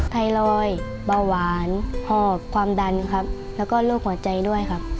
ไทรอยด์เบาหวานหอบความดันครับแล้วก็โรคหัวใจด้วยครับ